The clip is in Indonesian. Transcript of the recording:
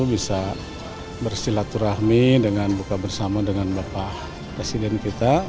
bisa bersilaturahmi dengan buka bersama dengan bapak presiden kita